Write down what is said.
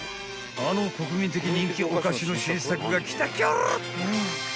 ［あの国民的人気お菓子の新作が来たきょろ］